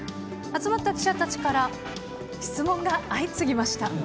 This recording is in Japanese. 集まった記者たちから質問が相次ぎました。